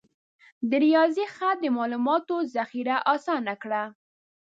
د ریاضي خط د معلوماتو ذخیره آسانه کړه.